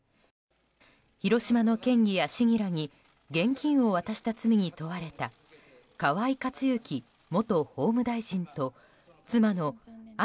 広島の県議や市議らに現金を渡した罪に問われた河井克行元法務大臣と妻の案